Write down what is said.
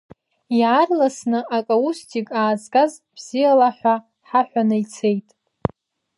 Иаарласны акаустик аазгаз бзиала ҳәа ҳаҳәаны ицеит.